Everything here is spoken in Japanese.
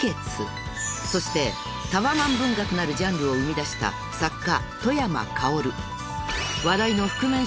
［そしてタワマン文学なるジャンルを生み出した作家］